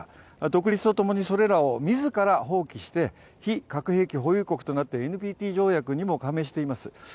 独立と共にそれらを自ら放棄して、非保有国となってＮＰＴ条約にも加盟しています。